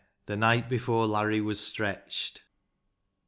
Air —" The Night before Larry was Stretched."